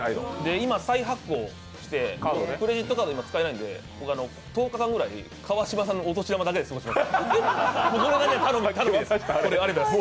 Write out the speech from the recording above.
今、再発行して、クレジットカードが今使えないので僕、１０日間くらい川島さんのお年玉だけで過ごします。